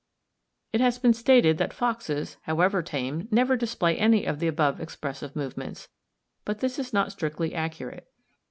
It has been stated that foxes, however tame, never display any of the above expressive movements; but this is not strictly accurate.